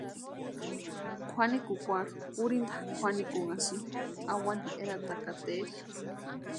Kwʼanikukwarhu kurhinta kwʼanikunhasïni awani eratakataeri.